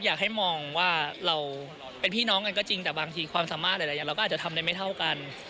อยากให้มองว่าเราเป็นพี่น้องกันก็จริงแต่บางทีความสามารถหลายอย่างเราก็อาจจะทำได้ไม่เท่ากัน